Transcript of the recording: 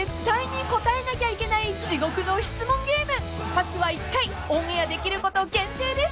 ［パスは１回オンエアできること限定です］